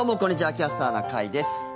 キャスターな会です。